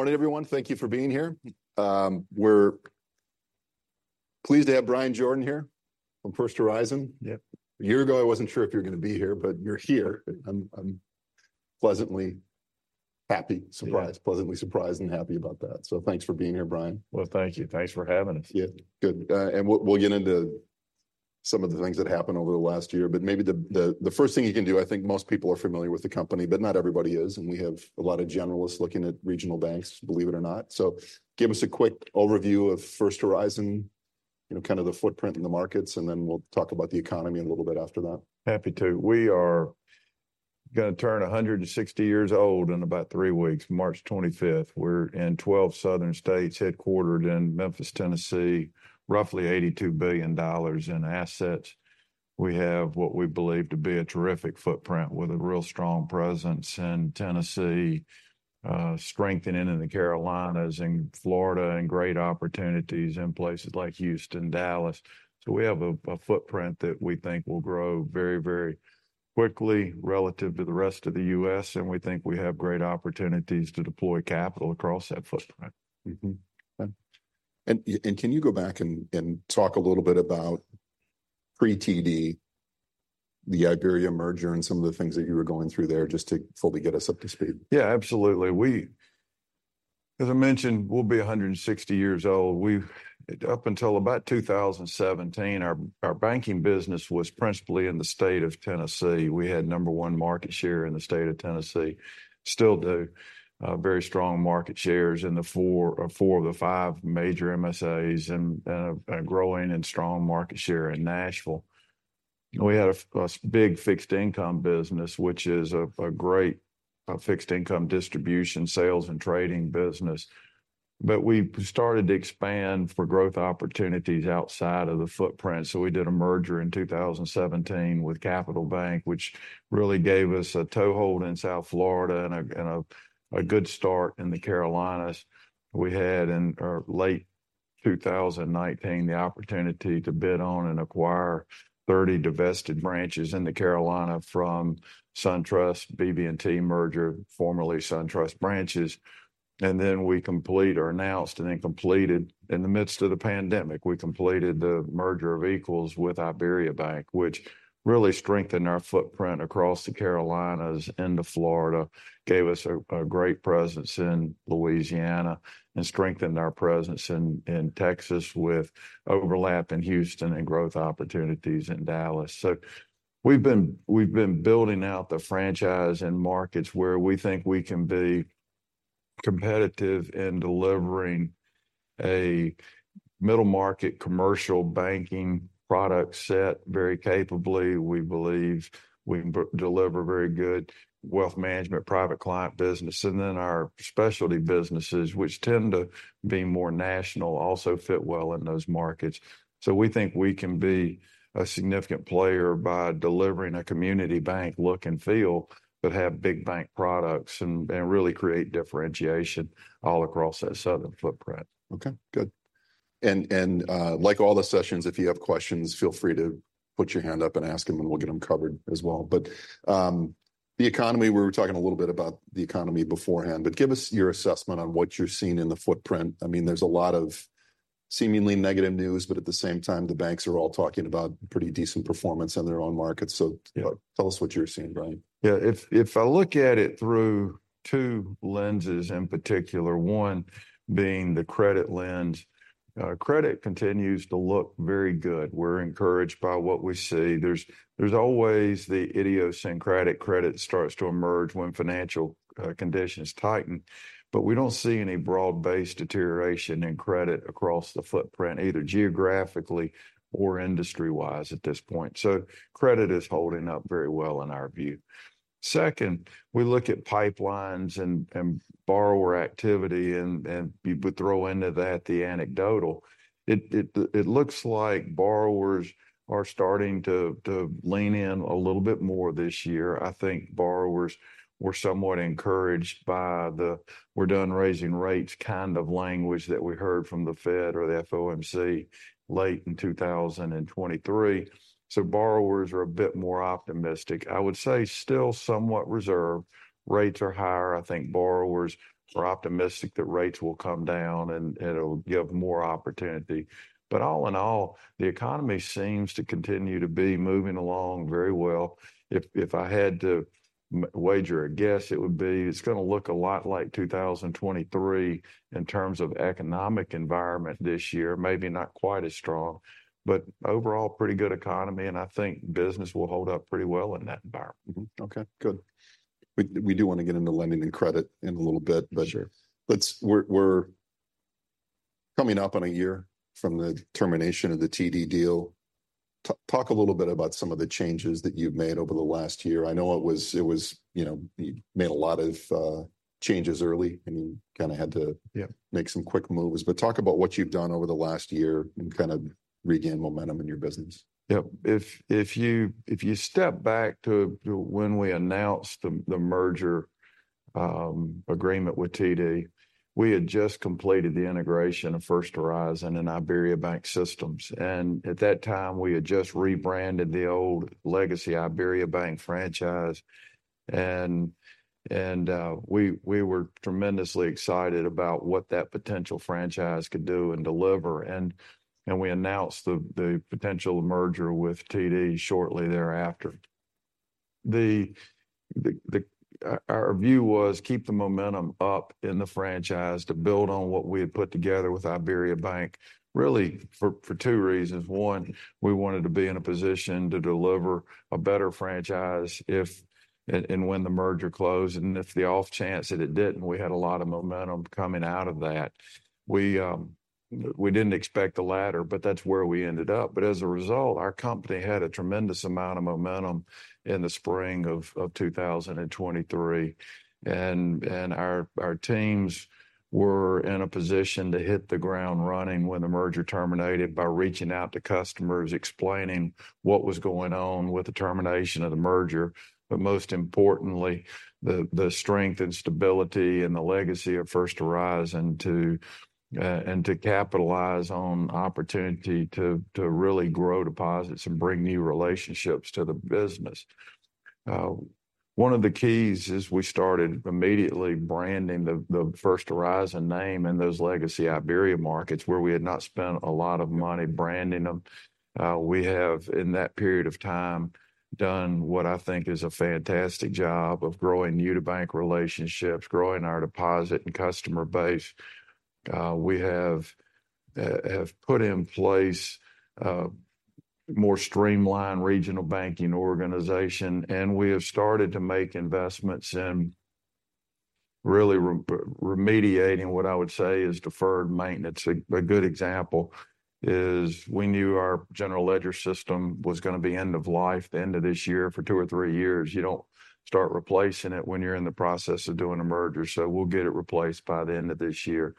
Morning, everyone. Thank you for being here. We're pleased to have Bryan Jordan here from First Horizon. Yep. A year ago, I wasn't sure if you were gonna be here, but you're here, and I'm, I'm pleasantly happy. Yeah. Surprised, pleasantly surprised and happy about that. So thanks for being here, Bryan. Well, thank you. Thanks for having us. Yeah. Good. And we'll get into some of the things that happened over the last year, but maybe the first thing you can do, I think most people are familiar with the company, but not everybody is, and we have a lot of generalists looking at regional banks, believe it or not. So give us a quick overview of First Horizon, you know, kind of the footprint in the markets, and then we'll talk about the economy a little bit after that. Happy to. We are gonna turn 160 years old in about 3 weeks, March 25th. We're in 12 southern states, headquartered in Memphis, Tennessee, roughly $82 billion in assets. We have what we believe to be a terrific footprint, with a real strong presence in Tennessee, strengthening in the Carolinas and Florida, and great opportunities in places like Houston, Dallas. So we have a footprint that we think will grow very, very quickly relative to the rest of the U.S., and we think we have great opportunities to deploy capital across that footprint. Mm-hmm. And can you go back and talk a little bit about pre-TD, the IBERIA merger, and some of the things that you were going through there, just to fully get us up to speed? Yeah, absolutely. We, as I mentioned, we'll be 160 years old. We've up until about 2017, our banking business was principally in the state of Tennessee. We had No. 1 market share in the state of Tennessee. Still do, very strong market shares in the 4 of the 5 major MSAs, and a growing and strong market share in Nashville. We had a big fixed income business, which is a great fixed income distribution, sales, and trading business. But we started to expand for growth opportunities outside of the footprint, so we did a merger in 2017 with Capital Bank, which really gave us a toehold in South Florida and a good start in the Carolinas. We had in late 2019 the opportunity to bid on and acquire 30 divested branches in the Carolinas from SunTrust, BB&T merger, formerly SunTrust branches. And then we announced, and then completed in the midst of the pandemic, we completed the merger of equals with IBERIABANK, which really strengthened our footprint across the Carolinas into Florida, gave us a great presence in Louisiana, and strengthened our presence in Texas, with overlap in Houston and growth opportunities in Dallas. So we've been building out the franchise in markets where we think we can be competitive in delivering a middle-market commercial banking product set very capably. We believe we can deliver very good wealth management, private client business. And then our specialty businesses, which tend to be more national, also fit well in those markets. We think we can be a significant player by delivering a community bank look and feel, but have big bank products, and really create differentiation all across that southern footprint. Okay, good. And, like all the sessions, if you have questions, feel free to put your hand up and ask them, and we'll get them covered as well. But, the economy, we were talking a little bit about the economy beforehand, but give us your assessment on what you're seeing in the footprint. I mean, there's a lot of seemingly negative news, but at the same time, the banks are all talking about pretty decent performance in their own markets. Yeah. Tell us what you're seeing, Bryan. Yeah. If I look at it through two lenses, in particular, one being the credit lens, credit continues to look very good. We're encouraged by what we see. There's always the idiosyncratic credit starts to emerge when financial conditions tighten, but we don't see any broad-based deterioration in credit across the footprint, either geographically or industry-wise at this point, so credit is holding up very well in our view. Second, we look at pipelines and borrower activity, and you would throw into that the anecdotal. It looks like borrowers are starting to lean in a little bit more this year. I think borrowers were somewhat encouraged by the "we're done raising rates" kind of language that we heard from the Fed or the FOMC late in 2023, so borrowers are a bit more optimistic. I would say still somewhat reserved. Rates are higher. I think borrowers are optimistic that rates will come down, and it'll give more opportunity. But all in all, the economy seems to continue to be moving along very well. If I had to wager a guess, it would be, it's gonna look a lot like 2023 in terms of economic environment this year. Maybe not quite as strong, but overall, pretty good economy, and I think business will hold up pretty well in that environment. Okay, good. We do wanna get into lending and credit in a little bit- Sure. but let's, we're coming up on a year from the termination of the TD deal. Talk a little bit about some of the changes that you've made over the last year. I know it was... You know, you made a lot of changes early, and you kinda had to- Yeah. make some quick moves. But talk about what you've done over the last year and kind of regained momentum in your business. Yep. If you step back to when we announced the merger agreement with TD, we had just completed the integration of First Horizon and IBERIABANK systems, and at that time, we had just rebranded the old legacy IBERIABANK franchise, and we were tremendously excited about what that potential franchise could do and deliver. And we announced the potential merger with TD shortly thereafter. Our view was keep the momentum up in the franchise to build on what we had put together with IBERIABANK, really for two reasons. One, we wanted to be in a position to deliver a better franchise if and when the merger closed, and if the off chance that it didn't, we had a lot of momentum coming out of that. We, we didn't expect the latter, but that's where we ended up. But as a result, our company had a tremendous amount of momentum in the spring of 2023, and our teams were in a position to hit the ground running when the merger terminated by reaching out to customers, explaining what was going on with the termination of the merger. But most importantly, the strength and stability and the legacy of First Horizon to and to capitalize on opportunity to really grow deposits and bring new relationships to the business. One of the keys is we started immediately branding the First Horizon name in those legacy Iberia markets where we had not spent a lot of money branding them. We have, in that period of time, done what I think is a fantastic job of growing new-to-bank relationships, growing our deposit and customer base. We have put in place more streamlined regional banking organization, and we have started to make investments in really remediating what I would say is deferred maintenance. A good example is we knew our General Ledger system was gonna be end of life at the end of this year. For two or three years, you don't start replacing it when you're in the process of doing a merger, so we'll get it replaced by the end of this year.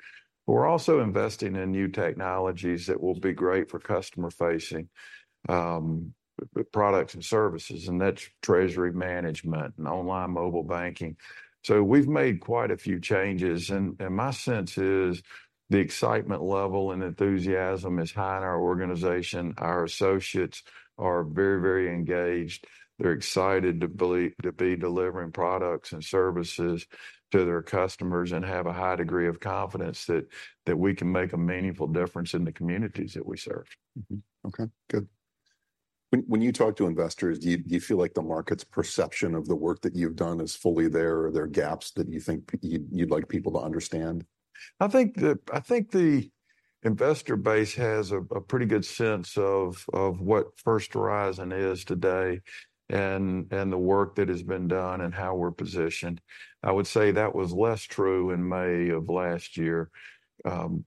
But we're also investing in new technologies that will be great for customer-facing products and services, and that's Treasury Management and Online Mobile Banking. So we've made quite a few changes, and my sense is the excitement level and enthusiasm is high in our organization. Our associates are very, very engaged. They're excited to be delivering products and services to their customers, and have a high degree of confidence that we can make a meaningful difference in the communities that we serve. Okay, good. When you talk to investors, do you feel like the market's perception of the work that you've done is fully there, or are there gaps that you think you'd like people to understand? I think the investor base has a pretty good sense of what First Horizon is today, and the work that has been done, and how we're positioned. I would say that was less true in May of last year.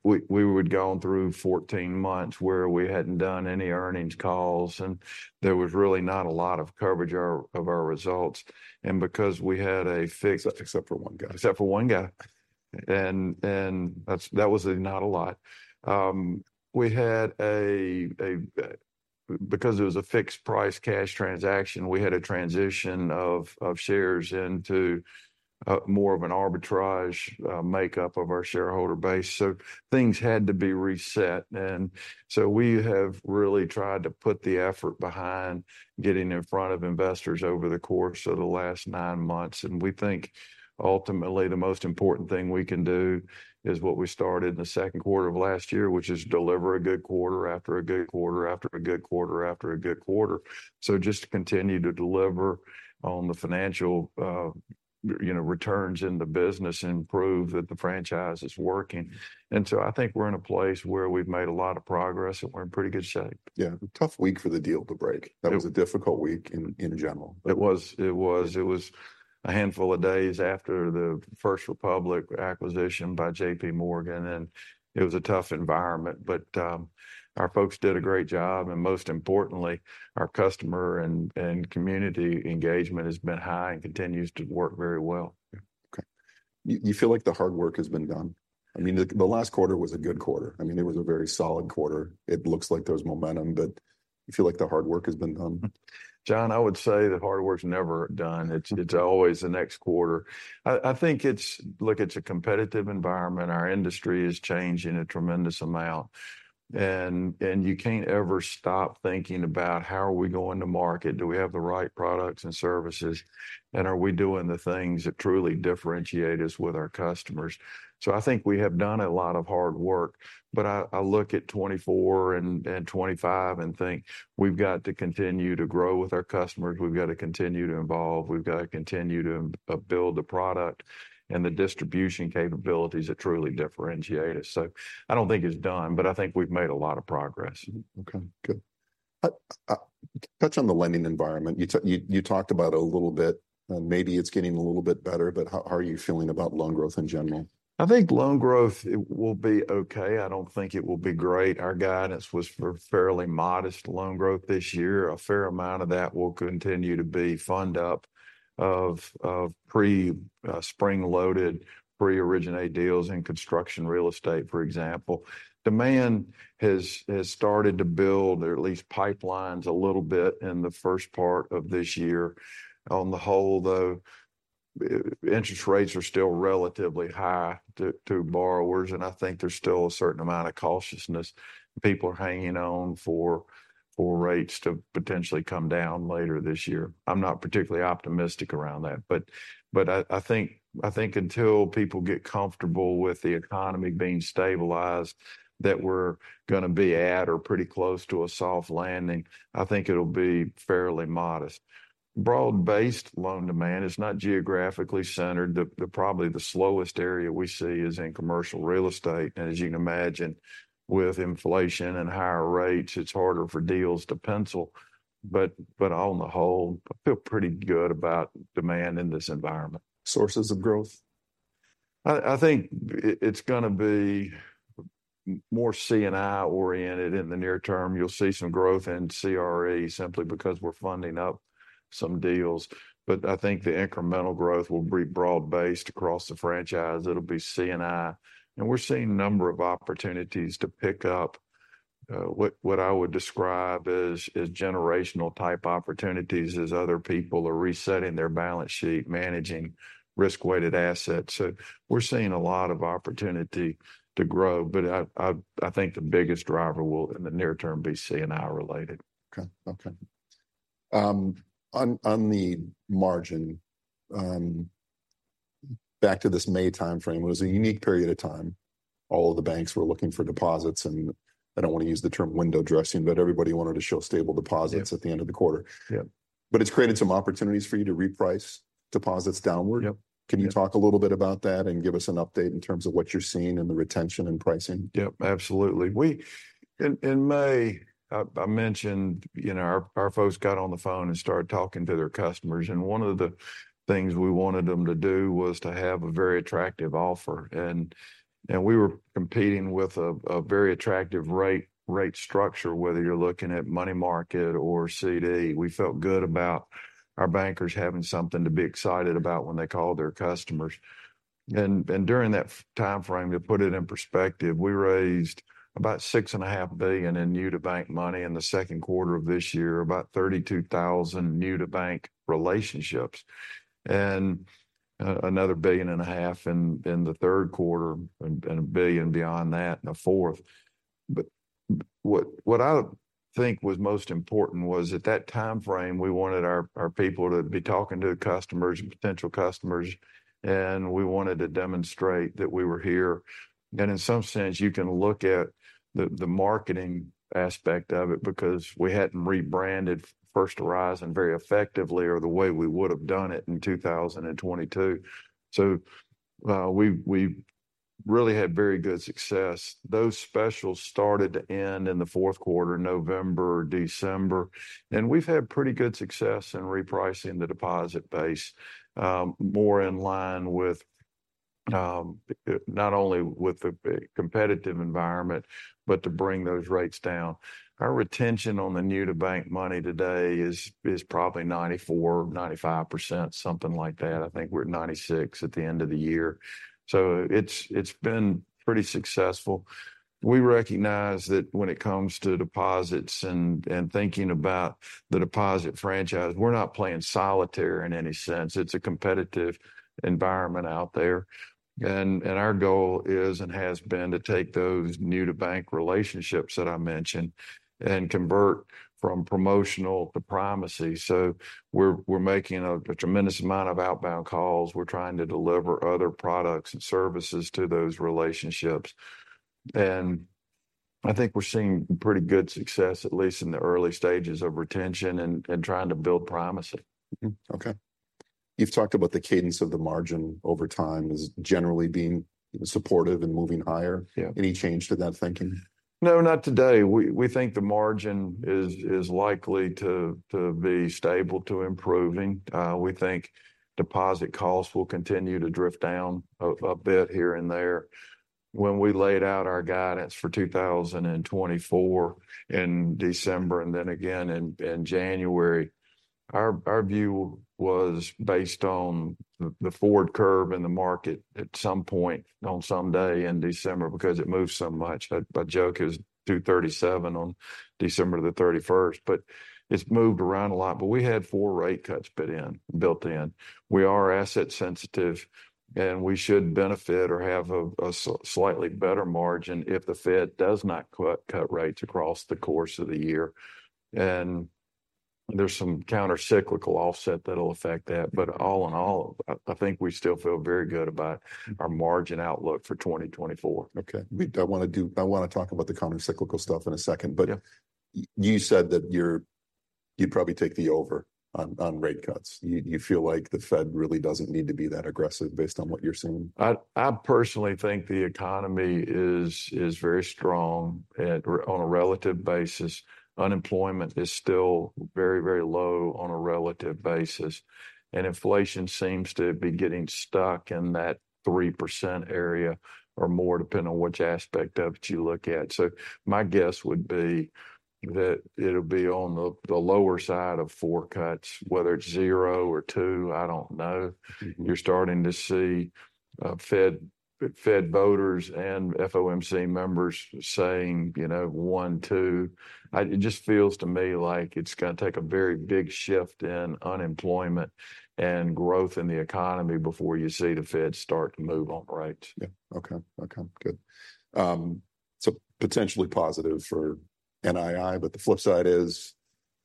We had gone through 14 months where we hadn't done any earnings calls, and there was really not a lot of coverage of our results. And because we had a fixed- Except for one guy. Except for one guy, and that's not a lot. We had... Because it was a fixed-price cash transaction, we had a transition of shares into more of an arbitrage makeup of our shareholder base, so things had to be reset. And so we have really tried to put the effort behind getting in front of investors over the course of the last nine months, and we think ultimately the most important thing we can do is what we started in the second quarter of last year, which is deliver a good quarter after a good quarter, after a good quarter, after a good quarter. So just to continue to deliver on the financial, you know, returns in the business and prove that the franchise is working. And so I think we're in a place where we've made a lot of progress, and we're in pretty good shape. Yeah, tough week for the deal to break. It. That was a difficult week in general. It was a handful of days after the First Republic acquisition by JPMorgan, and it was a tough environment. But our folks did a great job, and most importantly, our customer and community engagement has been high and continues to work very well. Yeah, okay. You feel like the hard work has been done? I mean, the last quarter was a good quarter. I mean, it was a very solid quarter. It looks like there's momentum, but you feel like the hard work has been done? Jon, I would say the hard work's never done. It's always the next quarter. I think it's... Look, it's a competitive environment. Our industry is changing a tremendous amount, and you can't ever stop thinking about how are we going to market? Do we have the right products and services, and are we doing the things that truly differentiate us with our customers? So I think we have done a lot of hard work, but I look at 2024 and 2025 and think, "We've got to continue to grow with our customers. We've got to continue to evolve. We've got to continue to build the product and the distribution capabilities that truly differentiate us." So I don't think it's done, but I think we've made a lot of progress. Okay, good. Touch on the lending environment. You talked about it a little bit, and maybe it's getting a little bit better, but how are you feeling about loan growth in general? I think loan growth, it will be okay. I don't think it will be great. Our guidance was for fairly modest loan growth this year. A fair amount of that will continue to be fund up of pre spring-loaded, pre-originate deals in construction real estate, for example. Demand has started to build, or at least pipelines a little bit in the first part of this year. On the whole, though, interest rates are still relatively high to borrowers, and I think there's still a certain amount of cautiousness. People are hanging on for rates to potentially come down later this year. I'm not particularly optimistic around that, but I think until people get comfortable with the economy being stabilized, that we're gonna be at or pretty close to a soft landing, I think it'll be fairly modest. Broad-based loan demand is not geographically centered. Probably the slowest area we see is in commercial real estate, and as you can imagine, with inflation and higher rates, it's harder for deals to pencil. But on the whole, I feel pretty good about demand in this environment. Sources of growth? I think it's gonna be more C&I-oriented in the near term. You'll see some growth in CRE simply because we're funding up some deals, but I think the incremental growth will be broad-based across the franchise. It'll be C&I, and we're seeing a number of opportunities to pick up what I would describe as generational-type opportunities as other people are resetting their balance sheet, managing risk-weighted assets. So we're seeing a lot of opportunity to grow, but I think the biggest driver will, in the near term, be C&I related. Okay. Okay. On the margin, back to this May timeframe, it was a unique period of time. All of the banks were looking for deposits, and I don't want to use the term window dressing, but everybody wanted to show stable deposits Yeah. at the end of the quarter. Yeah. But it's created some opportunities for you to reprice deposits downward. Yep. Can you talk a little bit about that, and give us an update in terms of what you're seeing in the retention and pricing? Yep, absolutely. We in May, I mentioned, you know, our folks got on the phone and started talking to their customers, and one of the things we wanted them to do was to have a very attractive offer. And we were competing with a very attractive rate structure, whether you're looking at money market or CD. We felt good about our bankers having something to be excited about when they called their customers. And during that timeframe, to put it in perspective, we raised about $6.5 billion in new-to-bank money in the second quarter of this year, about 32,000 new-to-bank relationships, and another $1.5 billion in the third quarter, and $1 billion beyond that in the fourth. But what I think was most important was, at that timeframe, we wanted our people to be talking to customers and potential customers, and we wanted to demonstrate that we were here. And in some sense, you can look at the marketing aspect of it, because we hadn't rebranded First Horizon very effectively or the way we would've done it in 2022. So, we really had very good success. Those specials started to end in the fourth quarter, November, December, and we've had pretty good success in repricing the deposit base, more in line with, not only with the competitive environment, but to bring those rates down. Our retention on the new-to-bank money today is probably 94%-95%, something like that. I think we're at 96% at the end of the year, so it's been pretty successful. We recognize that when it comes to deposits and thinking about the deposit franchise, we're not playing solitaire in any sense. It's a competitive environment out there, and our goal is and has been to take those new-to-bank relationships that I mentioned and convert from promotional to primacy. So we're making a tremendous amount of outbound calls. We're trying to deliver other products and services to those relationships, and I think we're seeing pretty good success, at least in the early stages of retention and trying to build primacy. Okay. You've talked about the cadence of the margin over time as generally being supportive and moving higher. Yeah. Any change to that thinking? No, not today. We think the margin is likely to be stable to improving. We think deposit costs will continue to drift down a bit here and there. When we laid out our guidance for 2024 in December, and then again in January, our view was based on the forward curve in the market at some point, on some day in December, because it moved so much. I joke it was 237 on December the 31st, but it's moved around a lot. But we had four rate cuts built in. We are asset sensitive, and we should benefit or have a slightly better margin if the Fed does not cut rates across the course of the year. There's some countercyclical offset that'll affect that, but all in all, I, I think we still feel very good about our margin outlook for 2024. Okay. I wanna talk about the countercyclical stuff in a second- Yeah. but you said that you'd probably take the over on rate cuts. You feel like the Fed really doesn't need to be that aggressive based on what you're seeing? I personally think the economy is very strong on a relative basis. Unemployment is still very, very low on a relative basis, and inflation seems to be getting stuck in that 3% area, or more, depending on which aspect of it you look at. So my guess would be that it'll be on the lower side of four cuts. Whether it's zero or two, I don't know. Mm-hmm. You're starting to see, Fed voters and FOMC members saying, you know, 1, 2. It just feels to me like it's gonna take a very big shift in unemployment and growth in the economy before you see the Fed start to move on rates. Yeah. Okay. Okay, good. So potentially positive for NII, but the flip side is?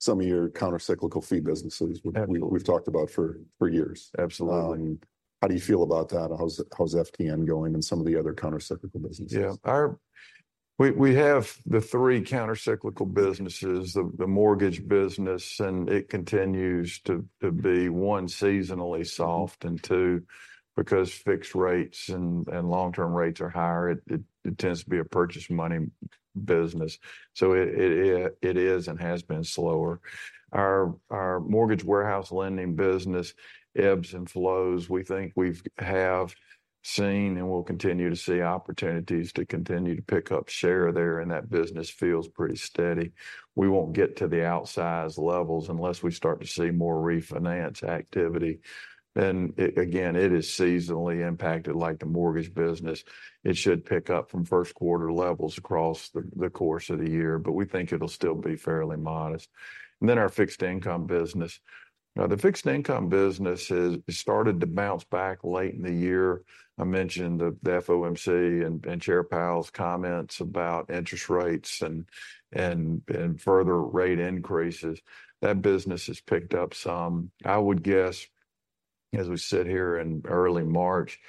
Some of your countercyclical fee businesses. Absolutely. We've talked about for years. Absolutely. How do you feel about that? How's FTN going and some of the other countercyclical businesses? Yeah, we have the three countercyclical businesses. The mortgage business, and it continues to be one, seasonally soft, and two, because fixed rates and long-term rates are higher, it is and has been slower. Our mortgage warehouse lending business ebbs and flows. We think we have seen and will continue to see opportunities to continue to pick up share there, and that business feels pretty steady. We won't get to the outsize levels unless we start to see more refinance activity. Then, it is seasonally impacted, like the mortgage business. It should pick up from first quarter levels across the course of the year, but we think it'll still be fairly modest. And then our fixed income business. Now, the fixed income business has started to bounce back late in the year. I mentioned the FOMC and Chair Powell's comments about interest rates and further rate increases. That business has picked up some. I would guess, as we sit here in early March,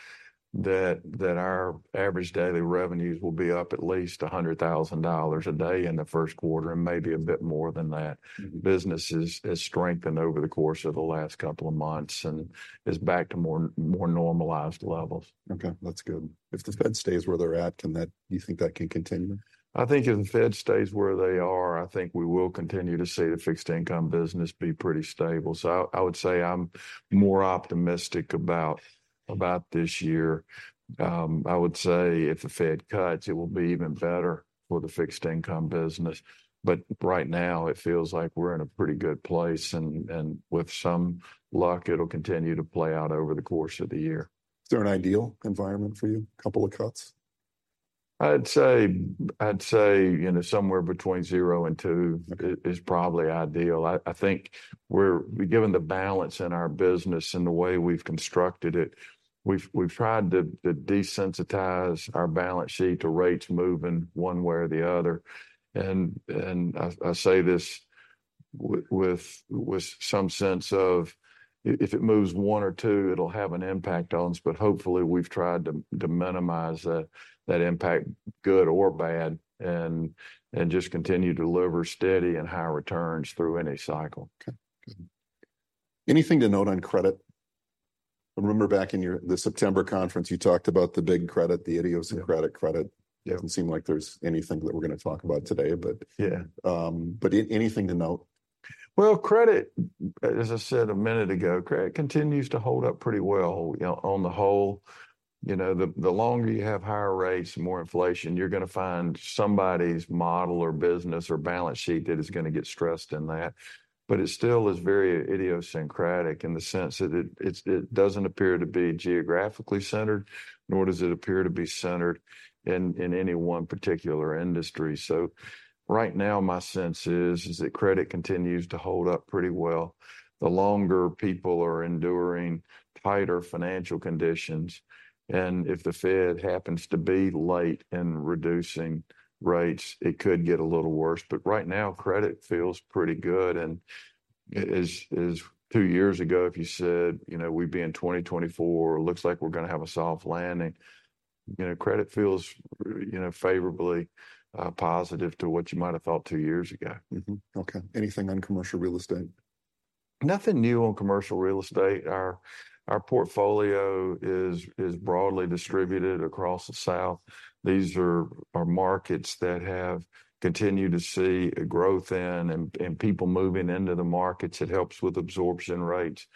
that our average daily revenues will be up at least $100,000 a day in the first quarter and maybe a bit more than that. Mm-hmm. Business has strengthened over the course of the last couple of months and is back to more normalized levels. Okay, that's good. If the Fed stays where they're at, can that-- do you think that can continue? I think if the Fed stays where they are, I think we will continue to see the fixed income business be pretty stable. I would say I'm more optimistic about this year. I would say if the Fed cuts, it will be even better for the fixed income business. But right now, it feels like we're in a pretty good place, and with some luck, it'll continue to play out over the course of the year. Is there an ideal environment for you, couple of cuts? I'd say, you know, somewhere between zero and two- Okay. is probably ideal. I think we're, given the balance in our business and the way we've constructed it, we've tried to desensitize our balance sheet to rates moving one way or the other. And I say this with some sense of if it moves one or two, it'll have an impact on us, but hopefully we've tried to minimize that impact, good or bad, and just continue to deliver steady and high returns through any cycle. Okay. Good. Anything to note on credit? I remember back in the September conference, you talked about the big credit, the idiosyncratic- Yeah. credit. Yeah. Doesn't seem like there's anything that we're gonna talk about today, but... Yeah. Anything to note? Well, credit, as I said a minute ago, credit continues to hold up pretty well, you know, on the whole. You know, the longer you have higher rates and more inflation, you're gonna find somebody's model or business or balance sheet that is gonna get stressed in that. But it still is very idiosyncratic in the sense that it doesn't appear to be geographically centered, nor does it appear to be centered in any one particular industry. So right now, my sense is that credit continues to hold up pretty well. The longer people are enduring tighter financial conditions, and if the Fed happens to be late in reducing rates, it could get a little worse. But right now, credit feels pretty good, and it is... Two years ago, if you said, you know, we'd be in 2024, looks like we're gonna have a soft landing, you know, credit feels, you know, favorably positive to what you might have thought two years ago. Okay. Anything on commercial real estate? Nothing new on commercial real estate. Our portfolio is broadly distributed across the South. These are markets that have continued to see a growth in and people moving into the markets. It helps with absorption rates.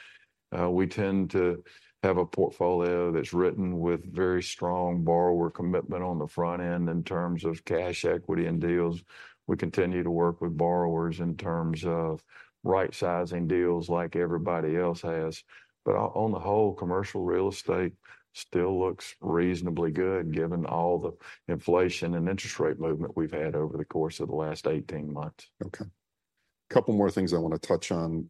We tend to have a portfolio that's written with very strong borrower commitment on the front end in terms of cash equity and deals. We continue to work with borrowers in terms of right-sizing deals like everybody else has. But on the whole, commercial real estate still looks reasonably good, given all the inflation and interest rate movement we've had over the course of the last 18 months. Okay. Couple more things I want to touch on.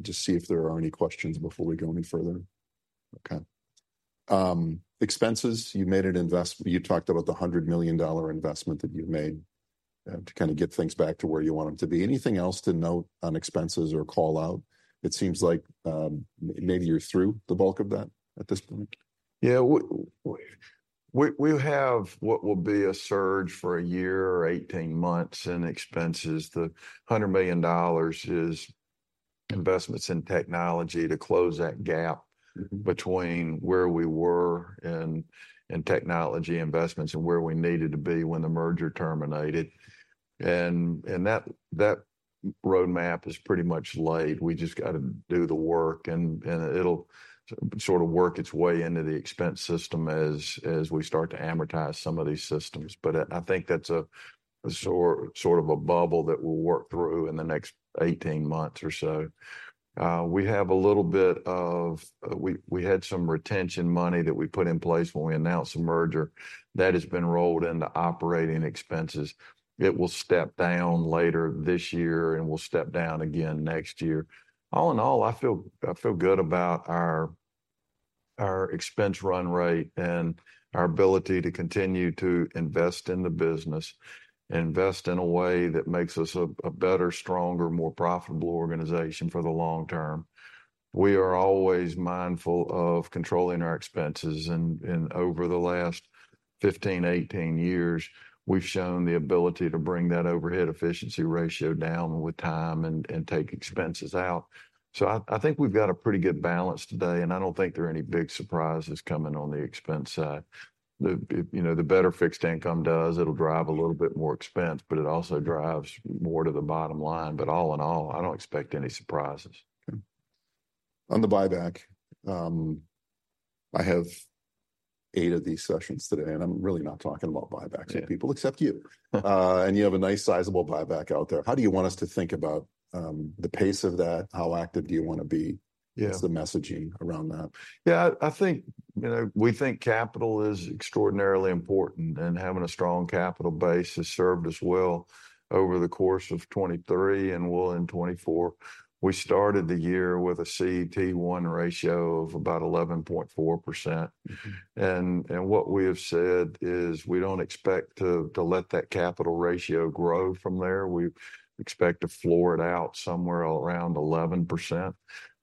Just see if there are any questions before we go any further. Okay. Expenses, you talked about the $100 million investment that you've made, to kind of get things back to where you want them to be. Anything else to note on expenses or call out? It seems like, maybe you're through the bulk of that at this point. Yeah, we have what will be a surge for a year or 18 months in expenses. The $100 million is investments in technology to close that gap. Mm-hmm. between where we were in technology investments and where we needed to be when the merger terminated. And that roadmap is pretty much laid. We just got to do the work, and it'll sort of work its way into the expense system as we start to amortize some of these systems. But I think that's sort of a bubble that we'll work through in the next 18 months or so. We have a little bit of. We had some retention money that we put in place when we announced the merger. That has been rolled into operating expenses. It will step down later this year, and will step down again next year. All in all, I feel good about our expense run rate and our ability to continue to invest in the business, invest in a way that makes us a better, stronger, more profitable organization for the long term. We are always mindful of controlling our expenses, and over the last 15, 18 years, we've shown the ability to bring that overhead efficiency ratio down with time and take expenses out. So I think we've got a pretty good balance today, and I don't think there are any big surprises coming on the expense side. You know, the better fixed income does, it'll drive a little bit more expense, but it also drives more to the bottom line. But all in all, I don't expect any surprises. Okay. On the buyback, I have eight of these sessions today, and I'm really not talking about buybacks- Yeah. to people, except you. And you have a nice sizable buyback out there. How do you want us to think about the pace of that? How active do you wanna be? Yeah. What's the messaging around that? Yeah, I, I think, you know, we think capital is extraordinarily important, and having a strong capital base has served us well over the course of 2023 and will in 2024. We started the year with a CET1 ratio of about 11.4%. Mm-hmm. What we have said is we don't expect to let that capital ratio grow from there. We expect to floor it out somewhere around 11%.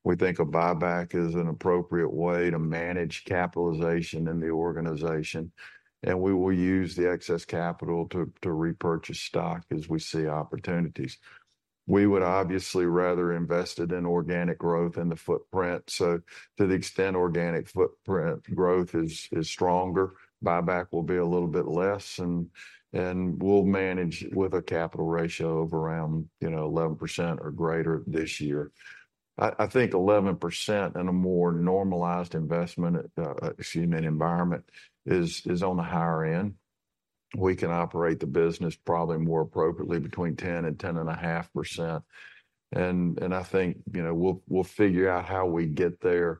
We think a buyback is an appropriate way to manage capitalization in the organization, and we will use the excess capital to repurchase stock as we see opportunities. We would obviously rather invest it in organic growth in the footprint, so to the extent organic footprint growth is stronger, buyback will be a little bit less, and we'll manage with a capital ratio of around, you know, 11% or greater this year. I think 11% in a more normalized investment human environment is on the higher end. We can operate the business probably more appropriately between 10% and 10.5%. I think, you know, we'll figure out how we get there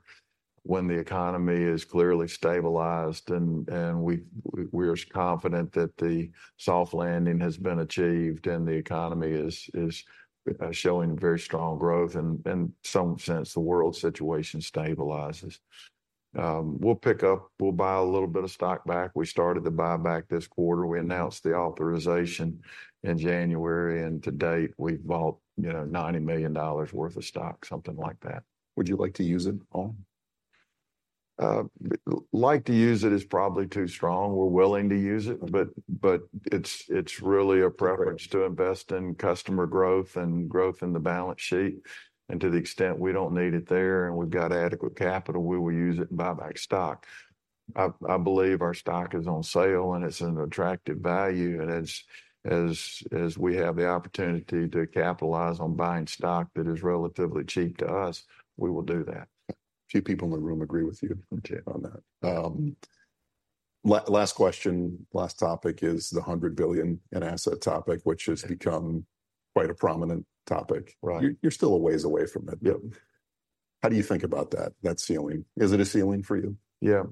when the economy is clearly stabilized and we're confident that the soft landing has been achieved, and the economy is showing very strong growth and in some sense, the world situation stabilizes. We'll pick up, we'll buy a little bit of stock back. We started the buyback this quarter. We announced the authorization in January, and to date, we've bought, you know, $90 million worth of stock, something like that. Would you like to use it all? Like to use it" is probably too strong. We're willing to use it- Mm-hmm. but it's really a privilege- Right. to invest in customer growth and growth in the balance sheet. And to the extent we don't need it there, and we've got adequate capital, we will use it to buy back stock. I believe our stock is on sale, and it's an attractive value, and as we have the opportunity to capitalize on buying stock that is relatively cheap to us, we will do that. A few people in the room agree with you- Okay. on that. Last question, last topic is the $100 billion in asset topic, which has become quite a prominent topic. Right. You're, you're still a ways away from it. Yep. How do you think about that, that ceiling? Is it a ceiling for you? Yeah.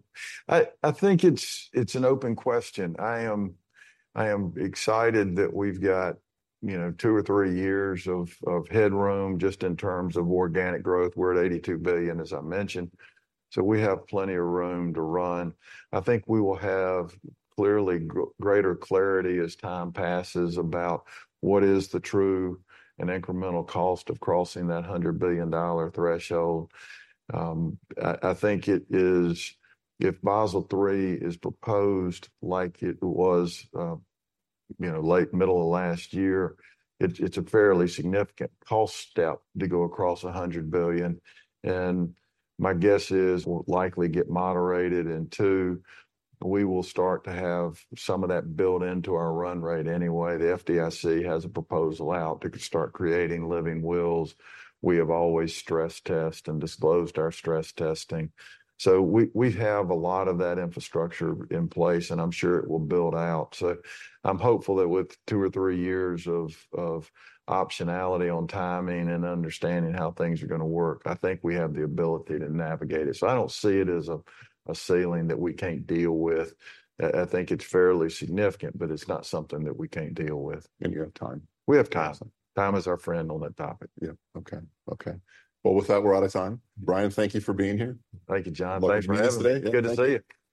I think it's an open question. I am excited that we've got, you know, two or three years of headroom just in terms of organic growth. We're at $82 billion, as I mentioned, so we have plenty of room to run. I think we will have clearly greater clarity as time passes about what is the true and incremental cost of crossing that $100 billion threshold. I think it is if Basel III is proposed like it was, you know, late middle of last year, it's a fairly significant cost step to go across $100 billion, and my guess is it will likely get moderated, and two, we will start to have some of that built into our run rate anyway. The FDIC has a proposal out to start creating Living Wills. We have always stress tested and disclosed our stress testing. So we have a lot of that infrastructure in place, and I'm sure it will build out. So I'm hopeful that with two or three years of optionality on timing and understanding how things are gonna work, I think we have the ability to navigate it. So I don't see it as a ceiling that we can't deal with. I think it's fairly significant, but it's not something that we can't deal with. You have time. We have time. Time. Time is our friend on that topic. Yeah. Okay. Okay. Well, with that, we're out of time. Bryan, thank you for being here. Thank you, Jon. Thank you for having me today. Good to see you.